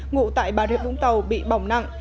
ngụ tại bà rịa vũng tàu bị bỏng nặng